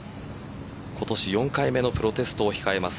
今年４回目のプロテストを控えます